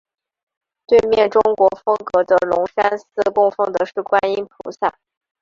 对面中国风格的龙山寺供奉的是观音菩萨。